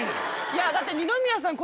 いやだって二宮さん